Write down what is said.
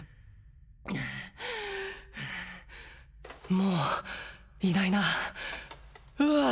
もういないなうわ